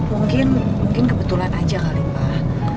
mungkin kebetulan aja kali pak